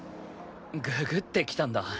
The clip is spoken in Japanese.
ググってきたんだ。